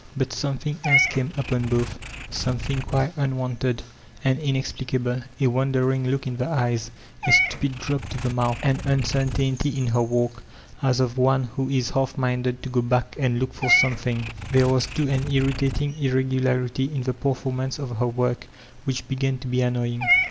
But something else came upon both, something quite unwonted and in explicable ; a wandering look in the eyes, a stupid drop to the mouth, an uncertainty in her walk, as of one who is half minded to go back and look for something. There 44^ VOLTAIKINE DE ClEYEE was, too» an irritatitig irrqiukiity in the performance of her work» which began to be annoyiqg.